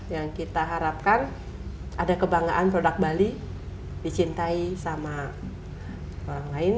yang kita harapkan ada kebanggaan produk bali dicintai sama orang lain